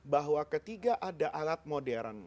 bahwa ketiga ada alat modern